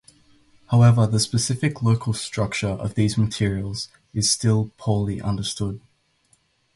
However, the specific local structure of these materials is still poorly understood.